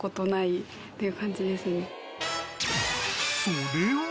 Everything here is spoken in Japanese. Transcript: ［それは？］